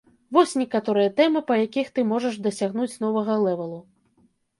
Вось некаторыя тэмы, па якіх ты можаш дасягнуць новага лэвэлу.